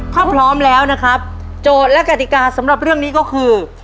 ถ้าพร้อมแล้วนะครับโจทย์และกติกาสำหรับเรื่องนี้ก็คือ